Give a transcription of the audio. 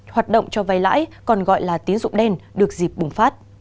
hoạt động cho vay lãi còn gọi là tín dụng đen được dịp bùng phát